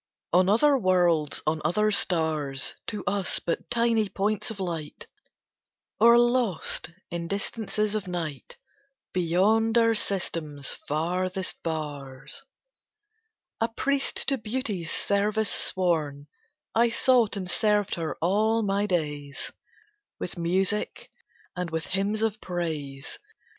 III On other worlds, on other stars, To us but tiny points of light, Or lost in distances of night Beyond our system's farthest bars, A priest to Beauty's service sworn, I sought and served her all my days, With music and with hymns of praise.